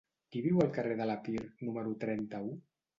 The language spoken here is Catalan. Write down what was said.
Qui viu al carrer de l'Epir número trenta-u?